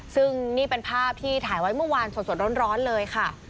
ซึ่งนี่เป็นภาพที่ถ่ายไว้เมื่อวานสดร้อนเลยค่ะ